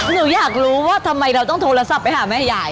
หนูอยากรู้ว่าทำไมเราต้องโทรศัพท์ไปหาแม่ยาย